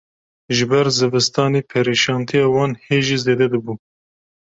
Ji ber zivistanê perîşantiya wan hê jî zêde dibû